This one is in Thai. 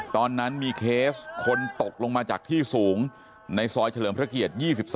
ตอนนั้นมีเคสคนตกลงมาจากที่สูงในซอยเฉลิมพระเกียรติ๒๒